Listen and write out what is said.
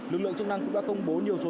lực lượng chức năng cũng đã công bố nhiều số